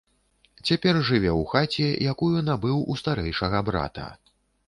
Цяпер жыве ў хаце, якую набыў у старэйшага брата.